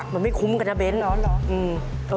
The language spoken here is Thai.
มันไม่คุ้มกันนะเน้นเหรอ